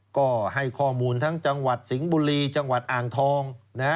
ก็ให้ข้อมูลทั้งจังหวัดสิงห์บุรีจังหวัดอ่างทอง